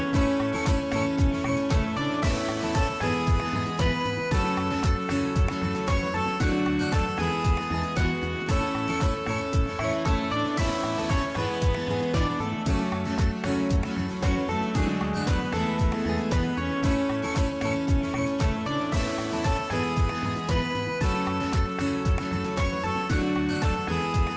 สวัสดีครับ